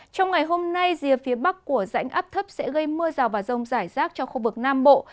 trong ngày hôm nay rìa phía bắc của rãnh áp thấp sẽ gây mưa rào và rông rải rác cho khu vực nam bộ